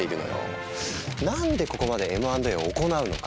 何でここまでＭ＆Ａを行うのか。